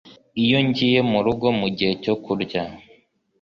Iyo ngiye murugo mugihe cyo kurya